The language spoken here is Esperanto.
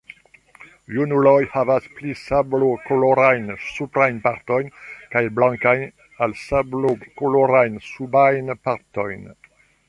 Junuloj havas pli sablokolorajn suprajn partojn kaj blankajn al sablokolorajn subajn partojn.